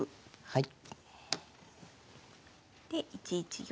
はい。